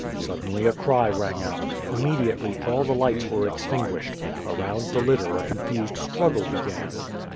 Suddenly, a cry rang out. Immediately all the lights were extinguished. Around the litter a confused struggle began.